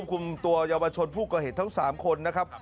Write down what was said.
คุมกลุ่มตัวยาวชนผู้กระเหตุทั้ง๓คนนะครับ